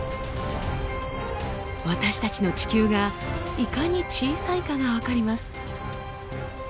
私たちの地球がいかに小さいかが分かります。